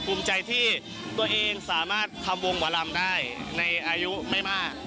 ภูมิใจที่ตัวเองสามารถทำวงหมอลำได้ในอายุไม่มาก